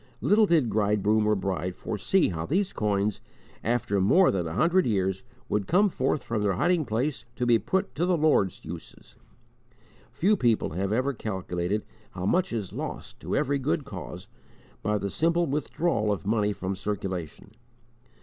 Little did bridegroom or bride foresee how these coins, after more than a hundred years, would come forth from their hiding place to be put to the Lord's uses. Few people have ever calculated how much is lost to every good cause by the simple withdrawal of money from circulation.